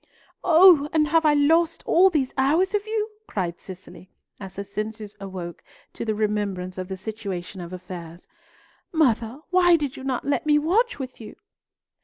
"Oh! and have I lost all these hours of you?" cried Cicely, as her senses awoke to the remembrance of the situation of affairs. "Mother, why did you not let me watch with you?"